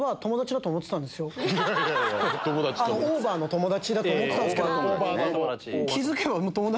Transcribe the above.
オーバーの友達だと思ってたんすけど。